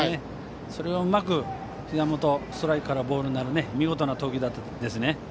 それをうまく、ひざ元へストライクからボールになる見事な投球でした。